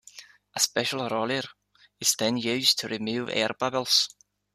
A special roller is then used to remove air bubbles.